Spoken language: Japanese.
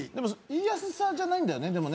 言いやすさじゃないんだよねでもね。